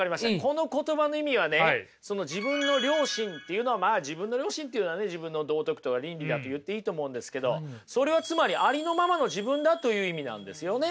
この言葉の意味はねその自分の良心っていうのはまあ自分の良心っていうのはね自分の道徳とか倫理だって言っていいと思うんですけどそれはつまりありのままの自分だという意味なんですよね。